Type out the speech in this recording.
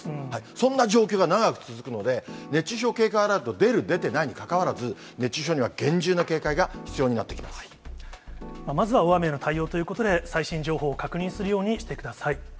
そんな状況が長く続くので、熱中症警戒アラート、出る出てないにかかわらず、熱中症には厳重な警戒が必要になまずは大雨への対応ということで、最新情報を確認するようにしてください。